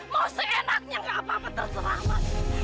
mau seenaknya nggak apa apa terserah mas